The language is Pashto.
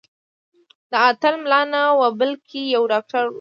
دا اتل ملا نه و بلکې یو ډاکټر و.